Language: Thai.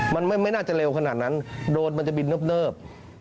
มันไม่น่าจะเร็วขนาดนั้นโดรนมันจะบินเนิบ